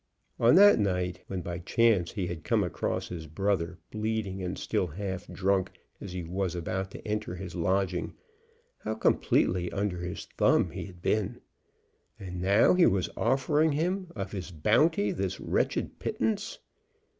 On that night when by chance he had come across his brother, bleeding and still half drunk, as he was about to enter his lodging, how completely under his thumb he had been! And now he was offering him of his bounty this wretched pittance!